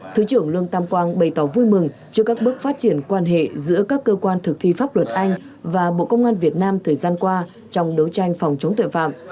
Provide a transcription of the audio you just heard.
thứ trưởng lương tam quang bày tỏ vui mừng trước các bước phát triển quan hệ giữa các cơ quan thực thi pháp luật anh và bộ công an việt nam thời gian qua trong đấu tranh phòng chống tội phạm